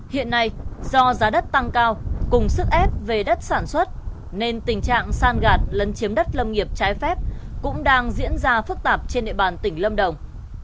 hiện nay do giá đất tăng cao cùng sức ép về đất sản xuất nên tình trạng san gạt lấn chiếm đất lâm nghiệp trái phép cũng đang diễn ra phức tạp trên địa bàn tỉnh lâm đồng